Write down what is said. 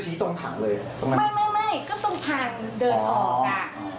เราก็เลยถามว่าใคร